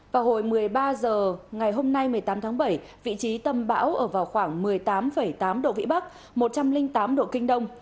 vào hồi một mươi ba h ngày hôm nay một mươi tám tháng bảy vị trí tâm bão ở vào khoảng một mươi tám tám độ vĩ bắc một trăm linh tám độ kinh đông